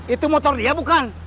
itu motor dia bukan